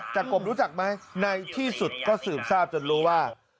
จากกรมรู้จักไหมในที่สุดก็สืบทราบจนรู้ว่า